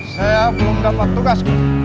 saya belum dapat tugas